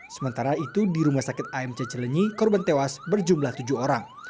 sementara itu di rumah sakit amc cilenyi korban tewas berjumlah tujuh orang